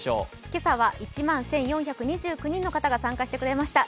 今朝は１万１４２９人の方が参加してくれました。